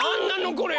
これ。